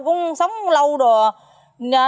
cũng sống lâu rồi à